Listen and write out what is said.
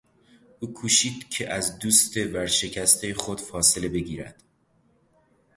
او کوشید که از دوست ورشکستهی خود فاصله بگیرد.